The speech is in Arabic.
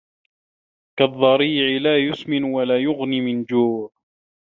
كالضريع لا يسمن ولا يغني من جوع